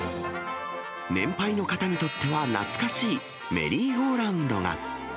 年配の方にとっては懐かしいメリーゴーラウンドが。